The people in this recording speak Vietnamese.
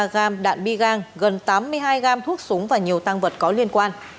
hai trăm ba mươi ba gam đạn bi gang gần tám mươi hai gam thuốc súng và nhiều tăng vật có liên quan